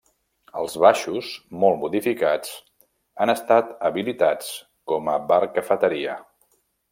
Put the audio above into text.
Els baixos, molt modificats, han estat habilitats com a Bar-cafeteria.